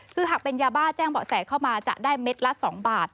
คือหากเป็นยาบ้าแจ้งเบาะแสเข้ามาจะได้เม็ดละ๒บาท